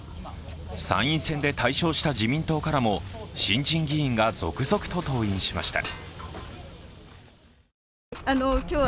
参院選で大勝した自民党からも新人議員が、続々と登院しました。